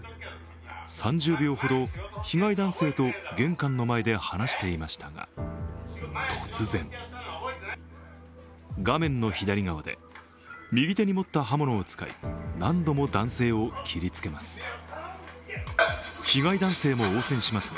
３０秒ほど被害男性と玄関の前で話していましたが、突然画面の左側で、右手に持った刃物を使い何度も男性を切りつけます。